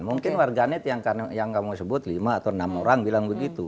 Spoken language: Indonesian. mungkin warganet yang kamu sebut lima atau enam orang bilang begitu